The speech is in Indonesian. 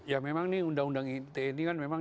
ya memang ini undang undang ite ini kan